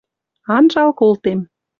Анжал колтем